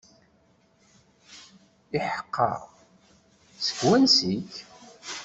Iḥeqqa, seg wansi-k?